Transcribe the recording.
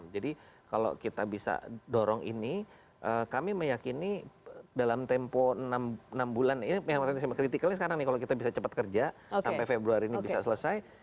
jadi kalau kita bisa dorong ini kami meyakini dalam tempo enam bulan yang kritikalnya sekarang nih kalau kita bisa cepat kerja sampai februari ini bisa selesai